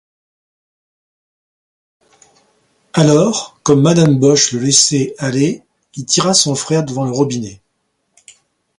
Alors, comme madame Boche le laissait aller, il tira son frère devant le robinet.